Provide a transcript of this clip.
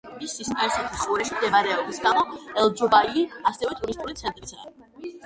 მისი სპარსეთის ყურეში მდებარეობის გამო ელ-ჯუბაილი ასევე ტურისტული ცენტრიცაა.